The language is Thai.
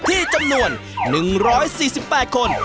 ที่จำนวน๑๔๘คน